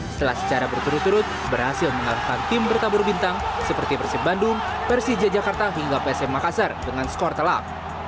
setelah secara berturut turut berhasil mengalahkan tim bertabur bintang seperti persib bandung persija jakarta hingga psm makassar dengan skor telak